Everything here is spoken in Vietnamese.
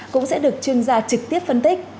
cũng sẽ được chương gia trực tiếp phân tích